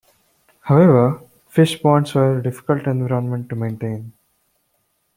However fish ponds were a difficult environment to maintain.